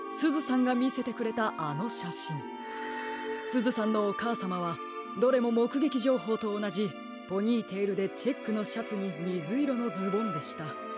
すずさんのおかあさまはどれももくげきじょうほうとおなじポニーテールでチェックのシャツにみずいろのズボンでした。